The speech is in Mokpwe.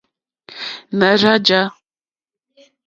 Nà rzá jǎ.